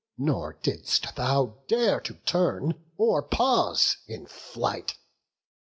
Nor didst thou dare to turn, or pause in flight.